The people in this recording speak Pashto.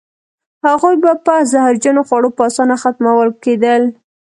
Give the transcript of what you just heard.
هغوی به په زهرجنو خوړو په اسانه ختمول کېدل.